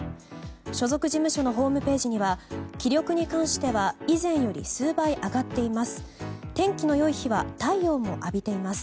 所属事務所のホームページには気力に関しては以前より数倍上がっています！